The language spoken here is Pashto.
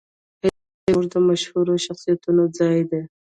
هېواد زموږ د مشهورو شخصیتونو ځای دی